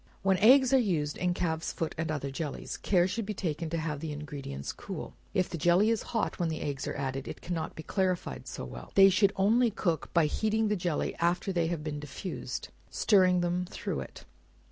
When eggs are used in calf's foot and other jellies, care should be taken to have the ingredients cool. If the jelly is hot when the eggs are added, it cannot be clarified so well they should only cook by heating the jelly after they have been diffused, by stirring them through it.